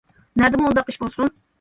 نەدىمۇ ئۇنداق ئىش بولسۇن.